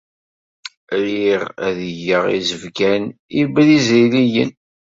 Riɣ ad d-geɣ izebgan ibriziliyen.